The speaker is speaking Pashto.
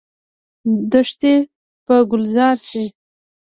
دښتې به ګلزار شي.